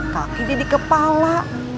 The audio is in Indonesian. kaki jadi kepala